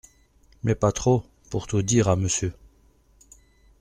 —Mais pas trop, pour tout dire à monsieur.